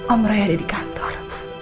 om roy ada di kantor